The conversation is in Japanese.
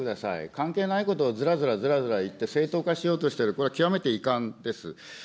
関係ないことをずらずらずらずら言って正当化しようとしている、これは極めて遺憾です。